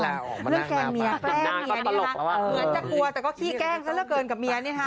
เรื่องแกล้งเมียแกล้งเมียนี่นะคะเหมือนจะกลัวแต่ก็ขี้แกล้งซะละเกินกับเมียเนี่ยค่ะ